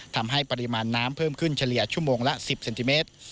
ทำให้ปริมาณน้ำเพิ่มขึ้นเฉลี่ยชั่วโมงละ๑๐เซนติเมตร